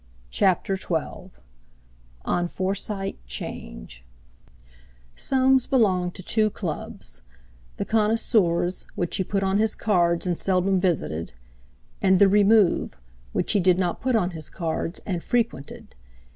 CHAPTER XII ON FORSYTE 'CHANGE Soames belonged to two clubs, "The Connoisseurs," which he put on his cards and seldom visited, and "The Remove," which he did not put on his cards and frequented.